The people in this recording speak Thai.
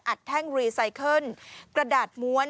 แท่งรีไซเคิลกระดาษม้วน